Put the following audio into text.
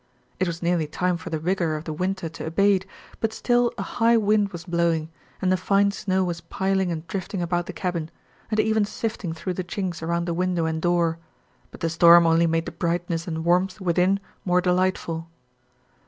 It was nearly time for the rigor of the winter to abate, but still a high wind was blowing, and the fine snow was piling and drifting about the cabin, and even sifting through the chinks around the window and door, but the storm only made the brightness and warmth within more delightful.